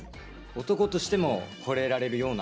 男としてもほれられるような。